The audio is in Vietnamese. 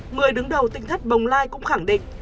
người đứng đầu tỉnh thất bồng lai cũng khẳng định